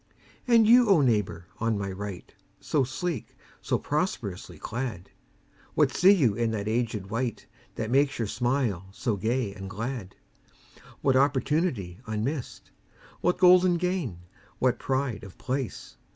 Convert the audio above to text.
And you, O neighbour on my right So sleek, so prosperously clad! What see you in that aged wight That makes your smile so gay and glad? What opportunity unmissed? What golden gain, what pride of place?